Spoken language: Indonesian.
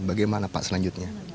bagaimana pak selanjutnya